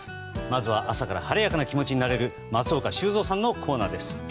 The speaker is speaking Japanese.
まずは朝から晴れやかな気持ちになれる松岡修造さんのコーナーです。